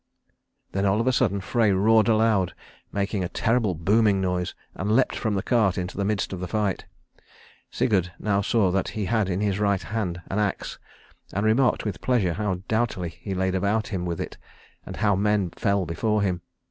Frey and his Wife] [Page 241 ] Then all of a sudden Frey roared aloud, making a terrible booming noise, and leaped from the cart into the midst of the fight. Sigurd now saw that he had in his right hand an axe, and remarked with pleasure how doughtily he laid about him with it, and how men fell before him.